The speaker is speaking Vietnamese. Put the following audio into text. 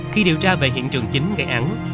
khi điều tra về hiện trường chính gây án